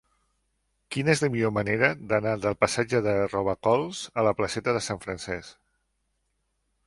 Quina és la millor manera d'anar del passatge de Robacols a la placeta de Sant Francesc?